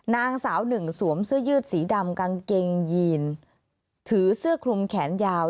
นางสาวหนึ่งสวมเสื้อยืดสีดำกางเกงยีนถือเสื้อคลุมแขนยาว